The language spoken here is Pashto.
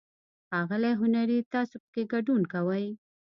ښاغلی هنري، تاسو پکې ګډون کوئ؟